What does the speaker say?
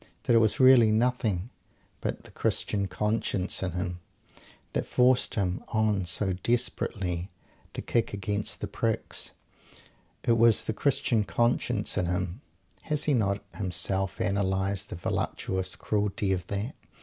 that it was really nothing but the "Christian conscience" in him that forced him on so desperately to kick against the pricks. It was the "Christian conscience" in him has he not himself analysed the voluptuous cruelty of that?